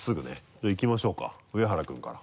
じゃあいきましょうか上原君から。